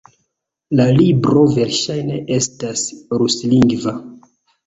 La libro verŝajne estas ruslingva.